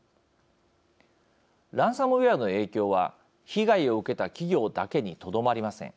ランサムウェアの影響は被害を受けた企業だけにとどまりません。